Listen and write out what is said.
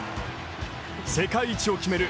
世界一を決める